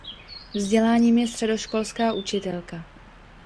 Vzděláním je středoškolská učitelka.